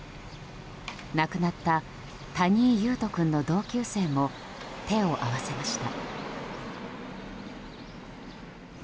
亡くなった谷井勇斗君の同級生も手を合わせました。